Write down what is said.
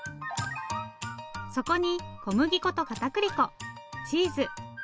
そこに小麦粉と片栗粉チーズ。